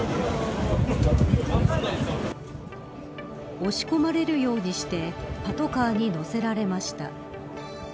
押し込まれるようにしてパトカーへ乗せられました。